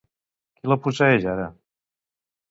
Qui la posseeix ara?